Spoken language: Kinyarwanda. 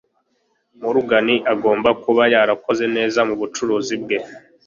Morgan agomba kuba yarakoze neza mubucuruzi bwe,